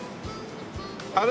あれ？